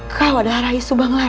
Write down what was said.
kau adalah rai subanglar